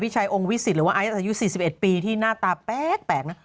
ชัยองค์วิสิตหรือว่าไอซ์อายุ๔๑ปีที่หน้าตาแปลกนะ